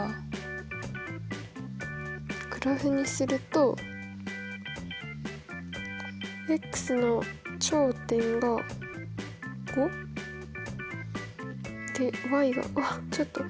グラフにするとの頂点が５？でがわっちょっと。